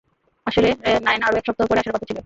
আসলে, নায়না আরো এক সপ্তাহ পরে আসার কথা ছিল।